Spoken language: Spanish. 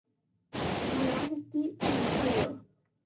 My Majesty, The Emperor".